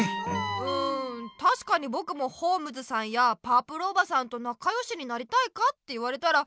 うんたしかにぼくもホームズさんやパープルおばさんとなかよしになりたいかって言われたら。